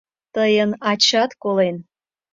Тыйын ачат колен.